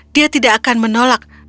dia tidak akan menolak